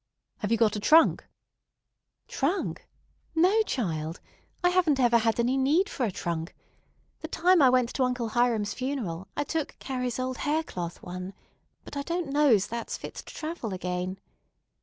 Have you got a trunk?" "Trunk? No, child. I haven't ever had any need for a trunk. The time I went to Uncle Hiram's funeral I took Carrie's old haircloth one, but I don't know 's that's fit to travel again.